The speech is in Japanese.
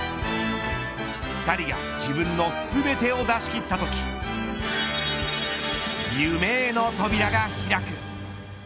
２人が自分の全てを出し切ったとき夢への扉が開く。